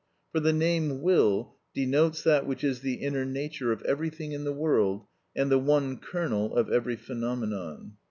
For the name will denotes that which is the inner nature of everything in the world, and the one kernel of every phenomenon.